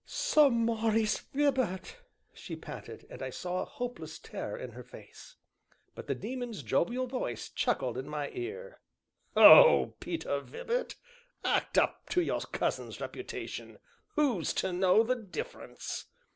"Sir Maurice Vibart!" she panted, and I saw a hopeless terror in her face. But the Daemon's jovial voice chuckled in my ear: "Ho, Peter Vibart, act up to your cousin's reputation; who's to know the difference?"